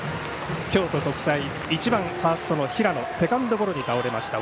京都国際、１番ファーストの平野セカンドゴロに倒れました。